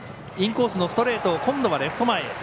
インコースのストレートを今度はレフト前へ。